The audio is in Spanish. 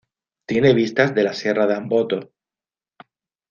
Tiene vistas de la sierra de Amboto.